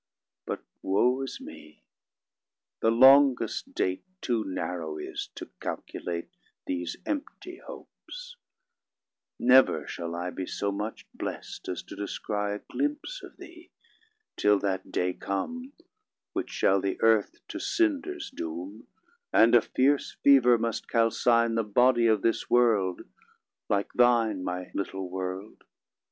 But woe is me! the longest date Too narrow is to calculate These empty hopes: never shall I Be so much blest as to descry 50 A glimpse of thee, till that day come, Which shall the earth to cinders doom, And a fierce fever must calcine The body of this world, like thine, My Little World!